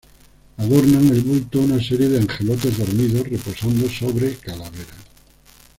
Adornan el bulto una serie de angelotes dormidos reposando sobre calaveras.